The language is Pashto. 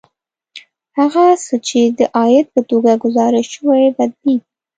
هغه څه چې د عاید په توګه ګزارش شوي بدلېږي